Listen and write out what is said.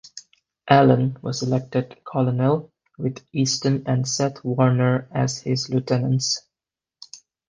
Allen was elected colonel, with Easton and Seth Warner as his lieutenants.